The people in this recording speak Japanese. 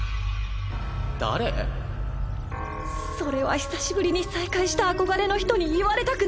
それは久しぶりに再会した憧れの人に虎杖この子は。